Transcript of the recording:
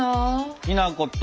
きな粉と。